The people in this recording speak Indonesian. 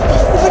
ada apa ini